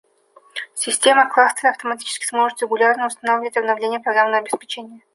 Система кластера автоматически сможет регулярно устанавливать обновления программного обеспечения